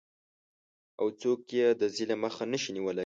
او څوک یې د ظلم مخه نشي نیولی؟